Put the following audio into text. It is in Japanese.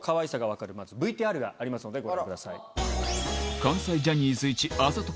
まずＶＴＲがありますのでご覧ください。